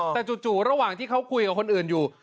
แต่จุดจุดระหว่างที่เขาพูดร่วมอยู่